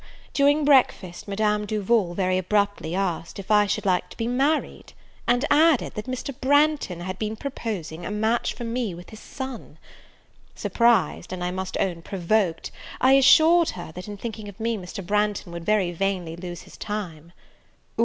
During breakfast, Madame Duval, very abruptly, asked, if I should like to be married? and added, that Mr. Branghton had been proposing a match for me with his son. Surprised, and, I must own, provoked, I assured her that in thinking of me, Mr. Branghton would very vainly lose his time.